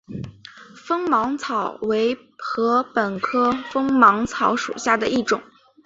锋芒草为禾本科锋芒草属下的一个种。